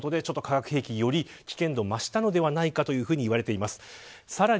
今回、化学兵器、より危険度が増したのではないかと言われています。